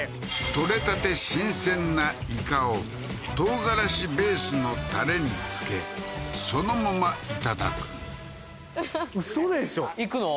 取れたて新鮮なイカを唐辛子ベースのたれにつけそのままいただくウソでしょ？いくの？